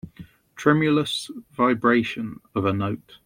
Tremulous vibration of a note.